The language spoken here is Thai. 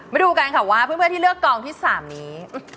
มาดูกันค่ะว่าเพื่อนที่เลือกกองที่๓นี้